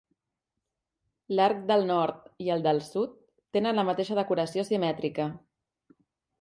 L'arc del nord i el del sud tenen la mateixa decoració simètrica.